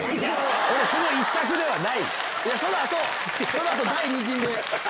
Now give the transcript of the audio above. その後第二陣で。